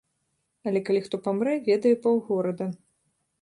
Але калі хто памрэ, ведае паўгорада.